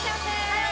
はい！